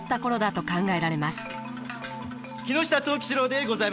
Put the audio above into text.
木下藤吉郎でございます。